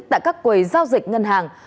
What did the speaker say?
tại các quầy giao dịch ngân hàng